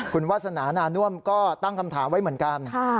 คุณวาสนานาน่วมก็ตั้งคำถามไว้เหมือนกัน